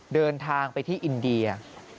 เดินทางไปที่อินเดีย